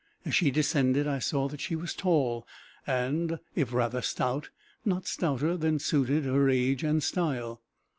As she descended, I saw that she was tall, and, if rather stout, not stouter than suited her age and style.